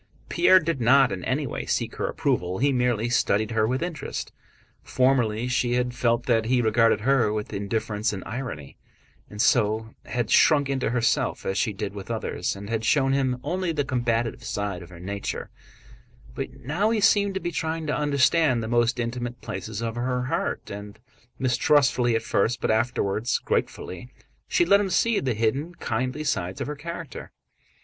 Pierre did not in any way seek her approval, he merely studied her with interest. Formerly she had felt that he regarded her with indifference and irony, and so had shrunk into herself as she did with others and had shown him only the combative side of her nature; but now he seemed to be trying to understand the most intimate places of her heart, and, mistrustfully at first but afterwards gratefully, she let him see the hidden, kindly sides of her character.